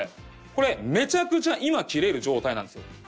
これめちゃくちゃ今切れる状態なんですよ。